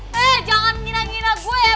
hei jangan ngira ngira gue ya